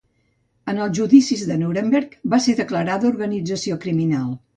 En els judicis de Nuremberg va ser declarada organització criminal.